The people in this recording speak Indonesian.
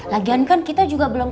lagian kan kita juga mau berpisah